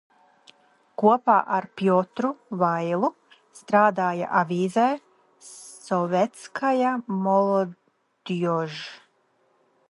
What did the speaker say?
"Kopā ar Pjotru Vailu strādāja avīzē "Sovetskaja molodjož"."